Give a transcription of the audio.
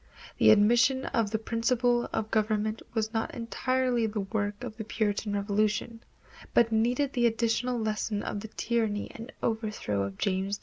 The admission of this principle of government was not entirely the work of the Puritan Revolution, but needed the additional lesson of the tyranny and overthrow of James II.